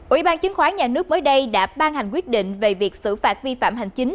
ủy ban chứng khoán nhà nước mới đây đã ban hành quyết định về việc xử phạt vi phạm hành chính